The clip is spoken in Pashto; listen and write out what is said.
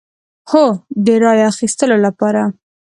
هو، د رای اخیستو لپاره